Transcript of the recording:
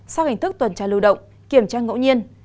sang hành thức tuần tra lưu động kiểm tra ngẫu nhiên